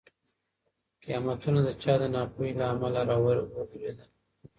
قيامتونه د چا د ناپوهۍ له امله راوورېدل؟